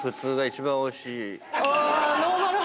あノーマル派。